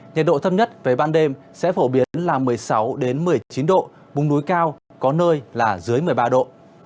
nhiệt độ thấp nhất về ban đêm sẽ phổ biến là một mươi sáu một mươi chín độ vùng núi cao có nơi là dưới một mươi ba độ